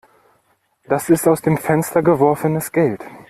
Das ist aus dem Fenster geworfenes Geld.